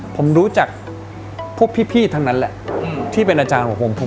ผมรู้จักพวกพี่ทั้งนั้นแหละที่เป็นอาจารย์ของผม